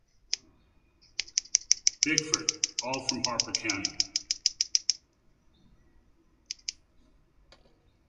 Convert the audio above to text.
Bickford, all from Harper county.